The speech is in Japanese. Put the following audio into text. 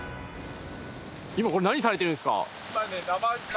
今これ何されてるんですか？